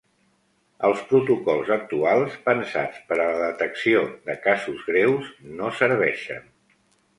Els protocols actuals, pensats per a la detecció de casos greus, no serveixen.